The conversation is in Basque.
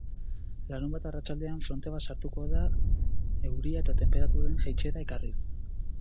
Larunbat arratsaldean fronte bat sartuko da euria eta tenperaturen jaitsiera ekarriz.